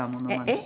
えっ？